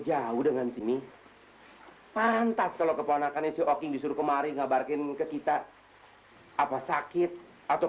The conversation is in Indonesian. jauh dengan sini pantas kalau keponakan isi oking disuruh kemarin ngabarkan ke kita apa sakit atau